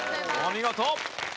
お見事！